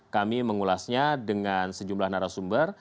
kami mengulasnya dengan sejumlah narasumber